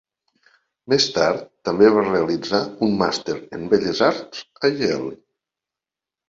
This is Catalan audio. Més tard també va realitzar un màster en Belles Arts a Yale.